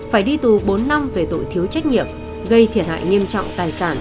phải đi tù bốn năm về tội thiếu trách nhiệm gây thiệt hại nghiêm trọng tài sản